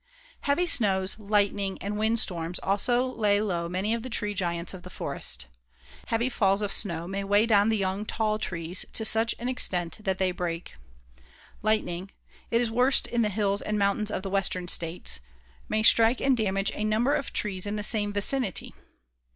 Heavy snows, lightning and wind storms also lay low many of the tree giants of the forest. Heavy falls of snow may weigh down the young, tall trees to such an extent that they break. Lightning it is worst in the hills and mountains of the western states may strike and damage a number of trees in the same vicinity.